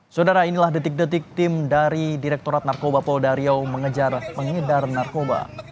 saudara inilah detik detik tim dari direktorat narkoba polda riau mengejar pengedar narkoba